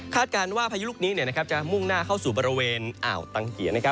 การว่าพายุลูกนี้จะมุ่งหน้าเข้าสู่บริเวณอ่าวตังเกีย